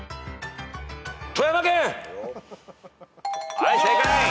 はい正解。